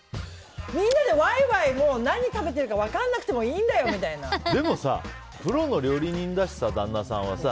みんなでワイワイ何食べてるか分からなくてもでもさ、プロの料理人だしさ旦那さんはさ。